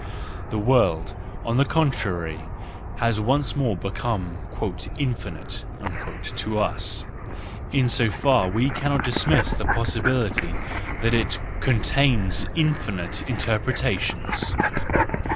The world, on the contrary, h WE FEARLESS ONES 341 once more become "infinite" to us: in so far we cannot dismiss the possibility that it contains infinite interpretations.